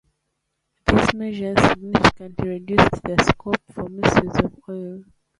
These measures significantly reduced the scope for misuse of oil.